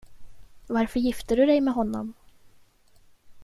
Varför gifte du dig med honom?